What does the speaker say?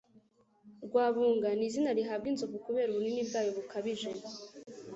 Rwabunga n' izina rihabwa inzovu kubera ubunini bwayo bukabije.